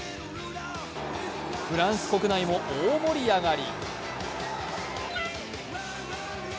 フランス国内も大盛り上がり。